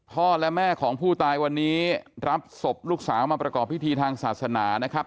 พ่อและแม่ของผู้ตายวันนี้รับศพลูกสาวมาประกอบพิธีทางศาสนานะครับ